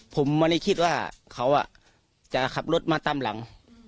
ผมไม่ได้คิดว่าเขาจะขับรถมาตามหลัง